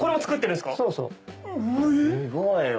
すごいよ。